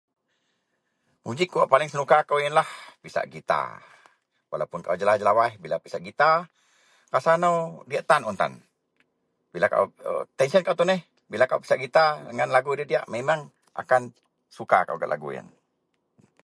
musik wak paling senuka kou ienlah pisak gitar, walaupun kaau jelawaih-jelawaih bila pisak gitar rasa nou diyak tan un tan, bila au tension au tuneh bila pisak gitar ngan lagu diyak-diyak memang suka au gak lagu ien